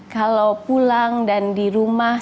kalau pulang dan di rumah